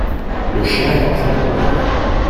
Le chien est en train de courrir.